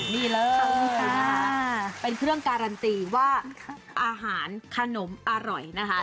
นี่เลยค่ะเป็นเครื่องการันตีว่าอาหารขนมอร่อยนะคะ